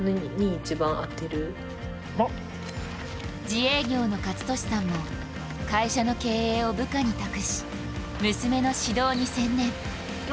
自営業の健智さんも会社の経営を部下に託し娘の指導に専念。